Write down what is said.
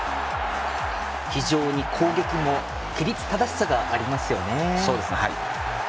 非常に攻撃も規律正しさがありますよね。